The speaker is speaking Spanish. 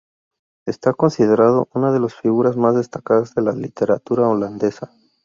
Está considerado una de las figuras más destacadas de la literatura holandesa.